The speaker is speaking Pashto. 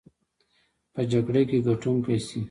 په جګړه کې ګټونکي شي.